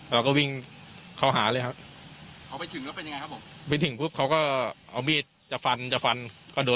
เราก็วิ่งเขาหาเลยครับ